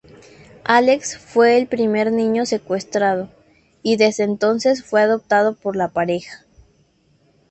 Alex fue el primer niño secuestrado, y desde entonces fue adoptado por la pareja.